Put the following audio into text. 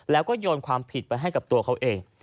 แล้วก็โยนความผิดไปให้กับตัวเขาเอง